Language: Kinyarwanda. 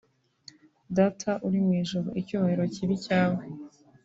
Data uri mw'ijuru icyubahiro cyibe icyawe